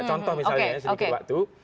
contoh misalnya sedikit waktu